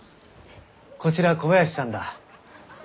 こちら小林さんだ。